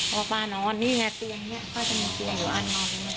พอป่านอนนี่ไงเตือนเนี่ยก็จะมีคนอยู่อันนอน